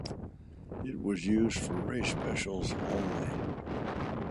It was used for race specials only.